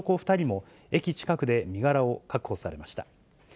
２人も、駅近くで身柄を確保されました。